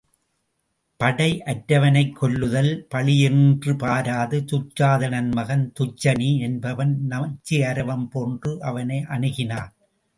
படை அற்றவனைக்கொல்லுதல் பழி என்றும் பாராது துச்சாதனன் மகன் துச்சனி என்பவன் நச்சு அரவம் போன்று அவனை அணுகினான்.